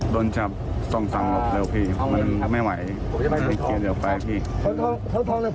โดนจับส่องสั่งออกเร็วพี่มันไม่ไหวมันเกลียดออกไปพี่